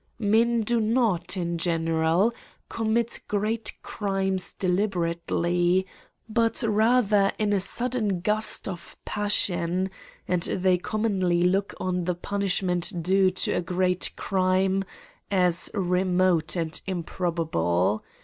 Men do not, in general, commit great crimes delibe rately, but rather in a sudden gust of passion ; and they commonly look on the punishment due to a great crime as remote and improbable.